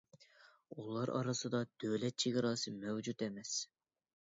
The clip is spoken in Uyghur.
ئۇلار ئارىسىدا دۆلەت چېگراسى مەۋجۇت ئەمەس.